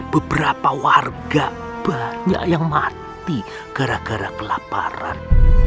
beberapa warga banyak yang mati gara gara kelaparan